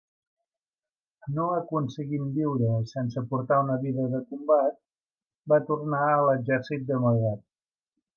No aconseguint viure sense portar una vida de combat, va tornar a l'exèrcit d'amagat.